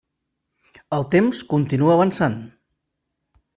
El temps continuà avançant.